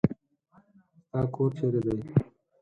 ستا کور چېري دی ؟